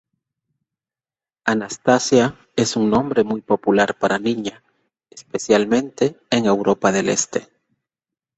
Anastasia es un nombre muy popular para niña, especialmente en Europa del Este.